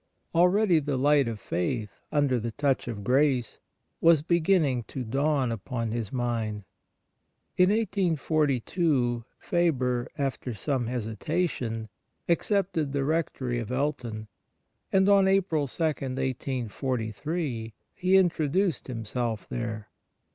Already the light of faith, under the touch of grace, was beginning to dawn upon his mind. In 1842 Faber, after some hesitation, accepted the rectory of Elton, and on April 2, 1843, he introduced himself there.